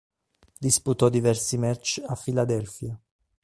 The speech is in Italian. Disputò diversi match a Filadelfia.